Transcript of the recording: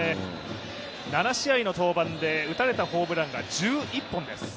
７試合の登板で打たれたホームランが１１本です。